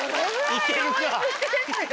いけるか！